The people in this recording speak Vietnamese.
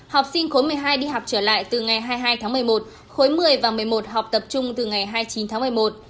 học sinh khối một mươi hai đi học trở lại từ ngày hai mươi hai tháng một mươi một khối một mươi và một mươi một học tập trung từ ngày hai mươi chín tháng một mươi một